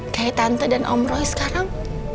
kayak tante dan om roy sekarang